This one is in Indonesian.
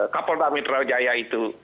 kapolri metro jaya itu